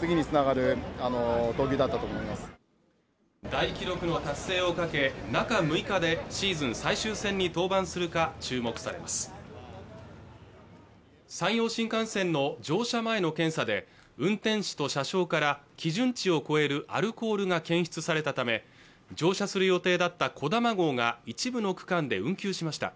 大記録の達成を懸け中６日でシーズン最終戦に登板するか注目されます山陽新幹線の乗車前の検査で運転士と車掌から基準値を超えるアルコールが検出されたため乗車する予定だったこだま号が一部の区間で運休しました